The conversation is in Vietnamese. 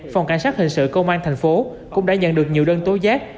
phòng cảnh sát hình sự công an thành phố cũng đã nhận được nhiều đơn tối giác